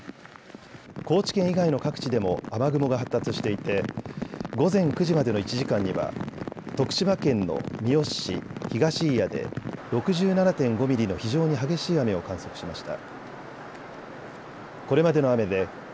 高知県以外の各地でも雨雲が発達していて午前９時までの１時間には徳島県の三好市東祖谷で６７．５ミリの非常に激しい雨を観測しました。